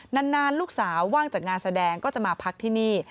นานลูกสาวว่างจากงานแสดงก็จะมาพักที่นี่